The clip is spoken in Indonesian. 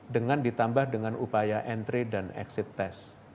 dengan ditambah dengan upaya entry dan exit test